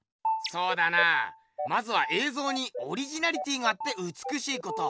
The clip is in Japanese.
そうだなまずはえいぞうにオリジナリティーがあってうつくしいこと。